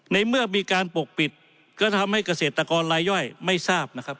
ในเมื่อมีการปกปิดก็ทำให้เกษตรกรลายย่อยไม่ทราบนะครับ